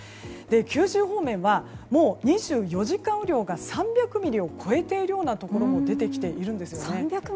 九州方面は、もう２４時間雨量が３００ミリを超えているようなところも出てきているんですよね。